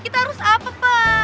kita harus apa pak